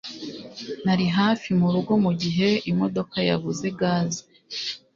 Nari hafi murugo mugihe imodoka yabuze gaze.